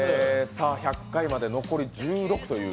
さあ１００回まで残り１６という。